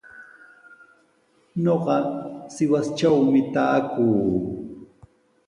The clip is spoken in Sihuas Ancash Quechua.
Ñuqa Sihuastrawmi taakuu.